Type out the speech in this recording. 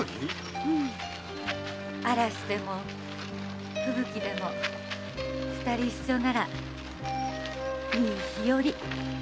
〔うん〕〔嵐でも吹雪でも二人一緒ならいい日和〕